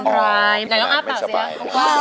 ไม่เป็นไรไหนแล้วอ้าวเปล่าเสีย